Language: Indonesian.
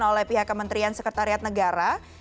oleh pihak kementerian sekretariat negara